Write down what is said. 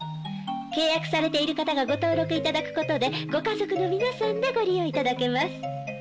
契約されている方がご登録いただくことでご家族の皆さんでご利用いただけます。